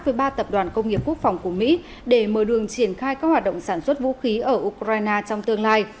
với ba tập đoàn công nghiệp quốc phòng của mỹ để mở đường triển khai các hoạt động sản xuất vũ khí ở ukraine trong tương lai